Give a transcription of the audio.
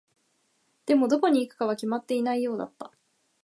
でも、どこに行くかは決まっていないようだった。